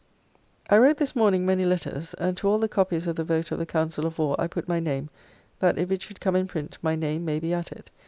I wrote this morning many letters, and to all the copies of the vote of the council of war I put my name, that if it should come in print my name maybe at it.